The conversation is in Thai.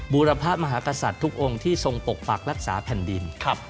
บุรพะมหากษัตริย์ทุกองค์ที่ทรงปกปักรักษาแผ่นดิน